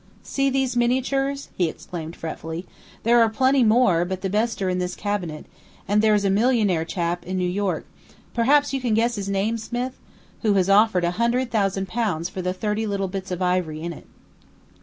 "See these miniatures!" he exclaimed, fretfully. "There are plenty more, but the best are in this cabinet; and there's a millionaire chap, in New York perhaps you can guess his name, Smith? who has offered a hundred thousand pounds for the thirty little bits of ivory in it."